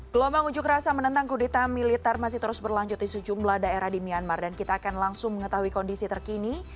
gelombang ujuk rasa menentang kuduta militer masih terus berlanjut di sejumlah daerah di myanmar dan kita akan langsung mengetahui kondisi terkini